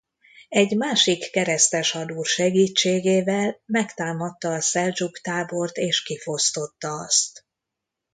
Egy másik keresztes hadúr segítségével megtámadta a szeldzsuk tábort és kifosztotta azt.